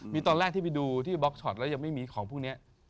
มีตอนแรกที่ไปดูที่บล็อกช็อตแล้วยังไม่มีของพวกนี้